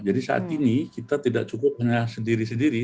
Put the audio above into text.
jadi saat ini kita tidak cukup hanya sendiri sendiri